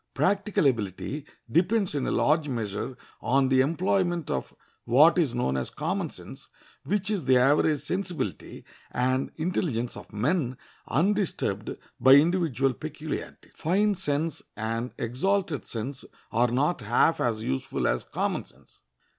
Practical ability depends in a large measure on the employment of what is known as common sense, which is the average sensibility and intelligence of men undisturbed by individual peculiarities. Fine sense and exalted sense are not half as useful as common sense.